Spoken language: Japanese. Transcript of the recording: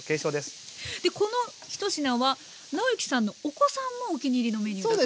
でこの１品は尚之さんのお子さんもお気に入りのメニューだと。